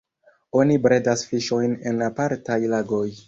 Oni bredas fiŝojn en apartaj lagoj.